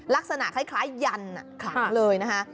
ลักษณะคล้ายยันขลังเลยนะคะ